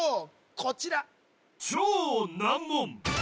こちら